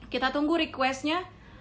kita tunggu requestnya